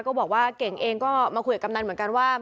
ก็บอกว่าเก่งเองก็มาคุยกับกำนันเหมือนกันว่า